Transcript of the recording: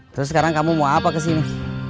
terus sekarang kamu mau apa ke sini